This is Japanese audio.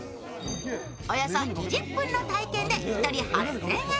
およそ２０分の体験で１人８０００円。